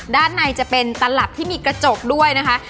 ด้านในจะเป็นตลับที่มีกระจกด้วยนะคะ